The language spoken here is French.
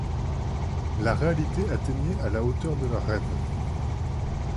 La réalité atteignait à la hauteur de leurs rêves.